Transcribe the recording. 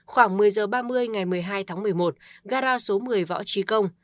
khoảng một mươi h ba mươi ngày một mươi hai tháng một mươi một gara số một mươi võ trí công